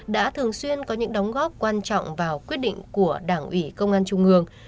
đã thường xuyên có những đóng góp quan trọng vào quyết định của đảng ủy công an trung ương